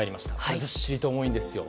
ずっしりと重いですよ。